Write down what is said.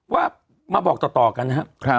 ว่ามาบอกต่อกันนะฮะ